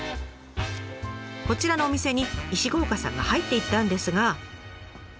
こちらのお店に石郷岡さんが入っていったんですが。